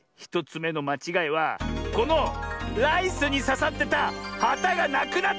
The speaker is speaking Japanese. １つめのまちがいはこのライスにささってたはたがなくなってる！